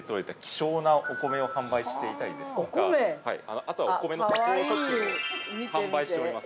あとはお米の加工食品を販売しております。